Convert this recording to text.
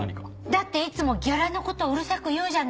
だっていつもギャラのことうるさく言うじゃない。